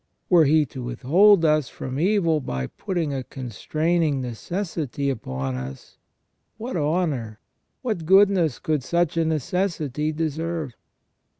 Were He to withhold us from evil by putting a constraining necessity upon us, what honour, what goodness could such a necessity deserve